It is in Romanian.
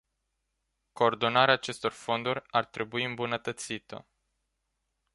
Coordonarea acestor fonduri ar trebui îmbunătățită.